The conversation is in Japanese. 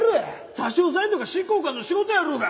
差し押さえるのが執行官の仕事やろうが！